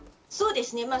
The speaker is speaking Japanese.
そうですね。